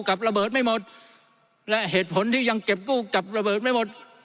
กับระเบิดไม่หมดและเหตุผลที่ยังเก็บกู้กับระเบิดไม่หมด